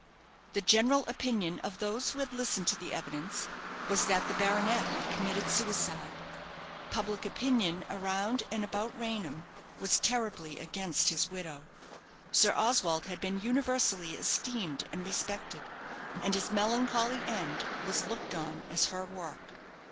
The general opinion of those who had listened to the evidence was that the baronet had committed suicide. Public opinion around and about Raynham was terribly against his widow. Sir Oswald had been universally esteemed and respected, and his melancholy end was looked on as her work.